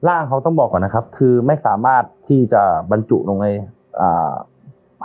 ร่างเขาต้องบอกก่อนนะครับคือไม่สามารถที่จะบรรจุลงในอ่า